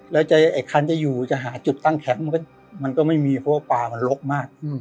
แล้วขณะอีกทางจะอยู่จะหาจุดตั้งแคมป์ก็ไม่มีเพราะป่ามันลกมาก